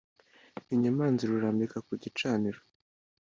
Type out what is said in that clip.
inyamanza irurambika ku gicaniro,